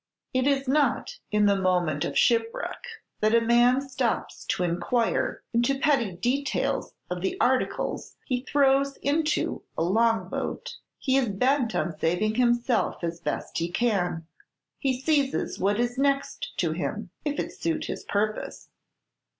It is not in the moment of shipwreck that a man stops to inquire into petty details of the articles he throws into a long boat; he is bent on saving himself as best he can. He seizes what is next to him, if it suit his purpose.